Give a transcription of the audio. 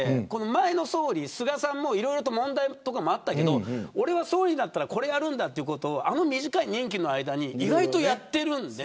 前の菅さんもいろいろ問題もあったけど俺は総理になったらこれをやるということをあの短い任期の間に意外とやってるんです。